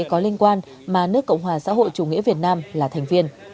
có liên quan mà nước cộng hòa xã hội chủ nghĩa việt nam là thành viên